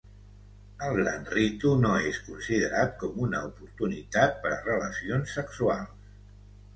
El Gran Ritu no és considerat com una oportunitat per a relacions sexuals.